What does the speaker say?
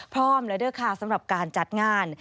พร้อมแล้วด้วยค่ะสำหรับการจัดงาน